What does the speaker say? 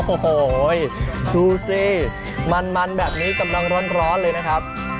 โอ้โหดูสิมันแบบนี้กำลังร้อนเลยนะครับ